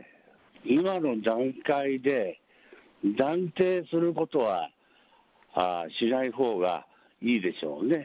今の段階で、断定することはしないほうがいいでしょうね。